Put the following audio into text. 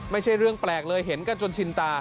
ไม่ใช่เรื่องแปลกเลยเห็นกันจนชินตา